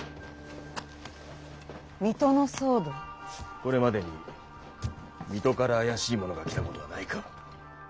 これまでに水戸から怪しい者が来たことはないか。